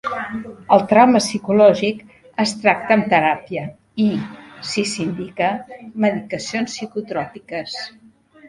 El trauma psicològic es tracta amb teràpia i, si s'indica, medicacions psicotròpiques.